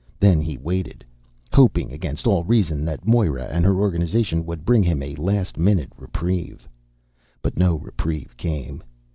Then he waited, hoping against all reason that Moera and her organization would bring him a last minute reprieve. But no reprieve came.